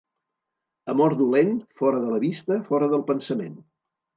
Amor dolent, fora de la vista, fora del pensament.